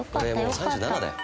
俺もう３７だよ。